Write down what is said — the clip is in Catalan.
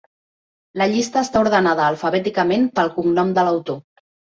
La llista està ordenada alfabèticament pel cognom de l'autor.